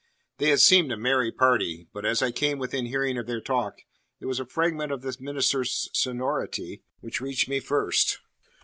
They had seemed a merry party. But as I came within hearing of their talk, it was a fragment of the minister's sonority which reached me first